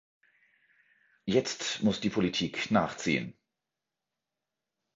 Jetzt muss die Politik nachziehen.